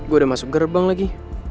gue udah masuk gerbang lagi